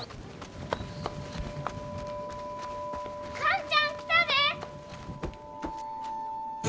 寛ちゃん来たで！